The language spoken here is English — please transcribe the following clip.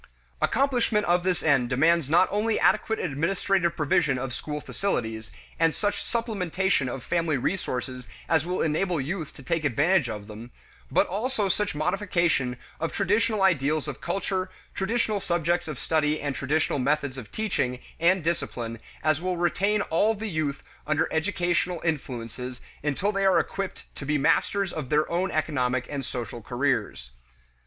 Accomplishment of this end demands not only adequate administrative provision of school facilities, and such supplementation of family resources as will enable youth to take advantage of them, but also such modification of traditional ideals of culture, traditional subjects of study and traditional methods of teaching and discipline as will retain all the youth under educational influences until they are equipped to be masters of their own economic and social careers.